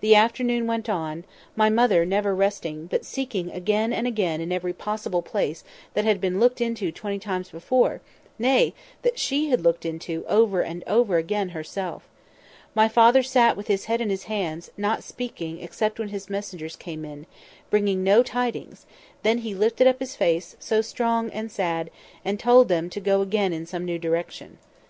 The afternoon went on—my mother never resting, but seeking again and again in every possible place that had been looked into twenty times before, nay, that she had looked into over and over again herself. My father sat with his head in his hands, not speaking except when his messengers came in, bringing no tidings; then he lifted up his face, so strong and sad, and told them to go again in some new direction.